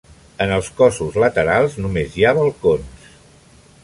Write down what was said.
En els cossos laterals només hi ha balcons.